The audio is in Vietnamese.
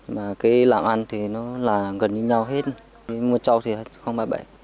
mà cái làm ăn thì nó là gần như nhau hết mua trâu thì không phải bậy